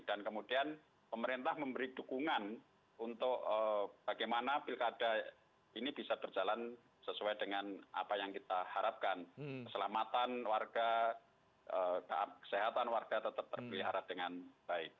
dan kemudian pemerintah memberi dukungan untuk bagaimana pilkada ini bisa berjalan sesuai dengan apa yang kita harapkan keselamatan warga kesehatan warga tetap terpelihara dengan baik